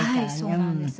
そうなんです。